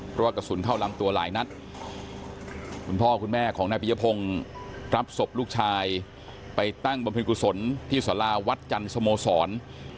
เพราะว่ากระสุนเข้าลำตัวหลายนัดคุณพ่อคุณแม่ของนายปียพงศ์รับศพลูกชายไปตั้งบำเพ็ญกุศลที่สาราวัดจันทร์สโมสร